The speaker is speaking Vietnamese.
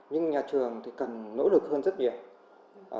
nhưng nhà trường thì cần nỗ lực hơn rất nhiều